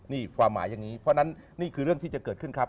นี่ความหมายอย่างนี้เพราะฉะนั้นนี่คือเรื่องที่จะเกิดขึ้นครับ